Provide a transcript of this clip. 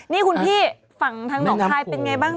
นี่คุณพี่ฝั่งทางหลอกทายเป็นอย่างไรบ้าง